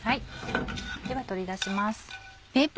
では取り出します。